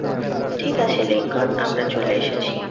ঠিক আছে, লিংকন, আমরা চলে এসেছি।